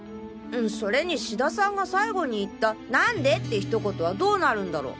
それに志田さんが最期に言った「なんで」って一言はどうなるんだろ？